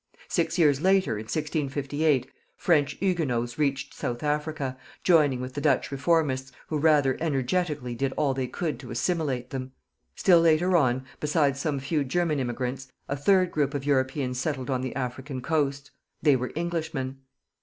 Six years later, in 1658, French Huguenots reached South Africa, joining with the Dutch Reformists, who rather energetically did all they could to assimilate them. Still later on, besides some few German immigrants, a third group of Europeans settled on the African coast. They were Englishmen.